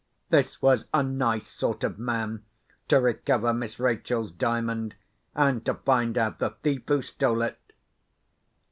This was a nice sort of man to recover Miss Rachel's Diamond, and to find out the thief who stole it!